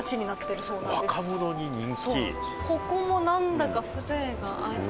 ここも何だか風情がある。